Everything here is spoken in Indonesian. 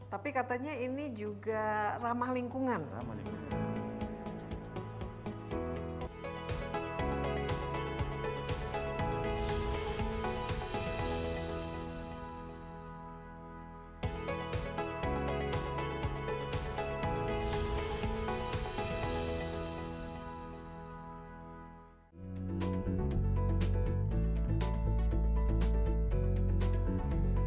tapi katanya ini juga ramah lingkungan